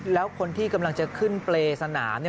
แล้วคนที่กำลังจะขึ้นเปรย์สนาม